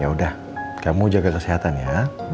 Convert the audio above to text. ya udah kamu jaga kesehatan ya